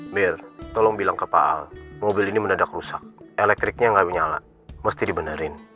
mir tolong bilang ke pak al mobil ini mendadak rusak elektriknya nggak menyala mesti dibenarin